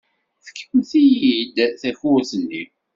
Fkemt-iyi-d takurt-nni!